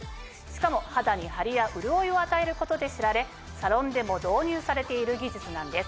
しかも肌にハリや潤いを与えることで知られサロンでも導入されている技術なんです。